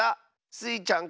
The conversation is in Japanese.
スイちゃん